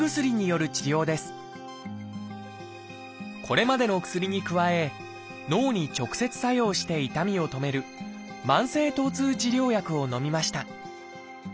これまでの薬に加え脳に直接作用して痛みを止める「慢性疼痛治療薬」をのみました。